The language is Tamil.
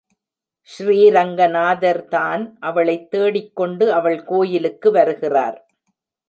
ஸ்ரீரங்கநாதர்தான் அவளைத் தேடிக்கொண்டு அவள் கோயிலுக்கு வருகிறார்.